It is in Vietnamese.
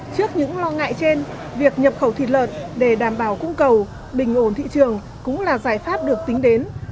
trước những lo ngại trên việc nhập khẩu thịt lợn để đảm bảo cung cầu bình ổn thị trường cũng là giải pháp được tính đến